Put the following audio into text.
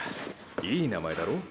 いい名前だろう？